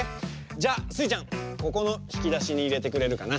じゃあスイちゃんここのひきだしにいれてくれるかな。